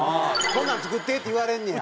こんなん作ってって言われんねや。